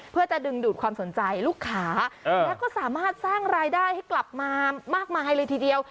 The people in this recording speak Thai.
เพื่อจะดึงดูดความสนใจลูกค้าแล้วก็สามารถสร้างรายได้ให้กลับมามากมายเลยทีเดียว